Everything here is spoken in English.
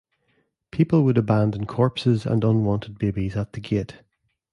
People would abandon corpses and unwanted babies at the gate.